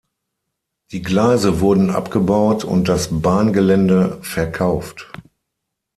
Die Gleise wurden abgebaut und das Bahngelände verkauft.